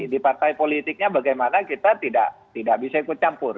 di partai politiknya bagaimana kita tidak bisa ikut campur